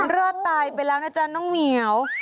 รอดตายไปแล้วนะจ๊ะน้องเหมียว